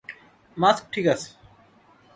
Mask ঠিক আছে।